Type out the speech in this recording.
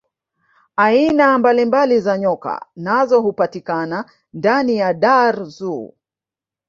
aina mbalimbali za nyoka nazo hupatikana ndani ya dar zoo